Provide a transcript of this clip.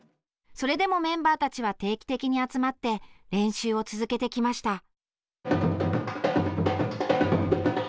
それでもメンバーたちは定期的に集まって練習を続けてきました。